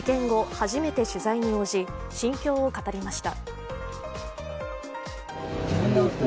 初めて取材に応じ心境を語りました。